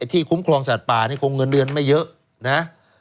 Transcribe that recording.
ที่คุ้มครองสะดว่ะปลาเค้าคงเงินเรียนไม่เยอะ